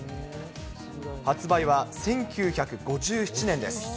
発売は１９５７年です。